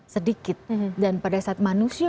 sedikit dan pada saat manusia